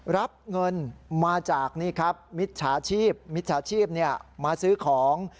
รับเงินมาจากนี่ครับมิจฉาชีพมิจฉาชีพมาซื้อของ